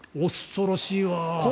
恐ろしいわ！